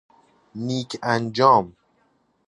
نیک انجام